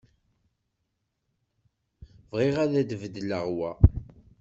Bɣiɣ ad d-beddleɣ wa.